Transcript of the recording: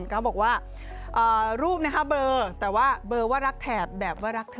เขาบอกว่ารูปนะคะเบอร์แต่ว่าเบอร์ว่ารักแถบแบบว่ารักเธอ